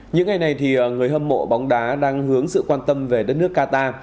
những ngày này thì người hâm mộ bóng đá đang hướng sự quan tâm về đất nước qatar